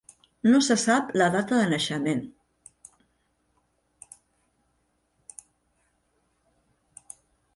No se sap la data de naixement.